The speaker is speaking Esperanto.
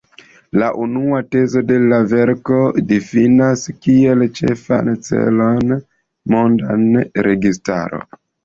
La unua tezo de la verko difinas kiel ĉefan celon monda registaro.